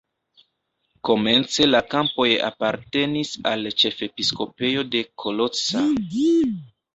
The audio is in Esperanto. Komence la kampoj apartenis al ĉefepiskopejo de Kalocsa.